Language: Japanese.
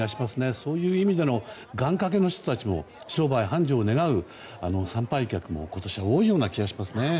そういう意味での願掛けの人たちも商売繁盛を願う参拝客も今年は多いような気がしますね。